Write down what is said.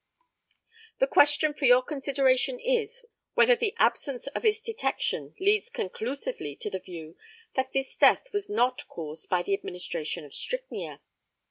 The question for your consideration is, whether the absence of its detection leads conclusively to the view that this death was not caused by the administration of strychnia.